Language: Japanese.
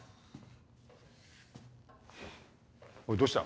おいどうした？